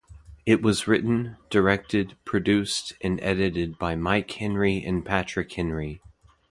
It was written, directed, produced, and edited by Mike Henry and Patrick Henry.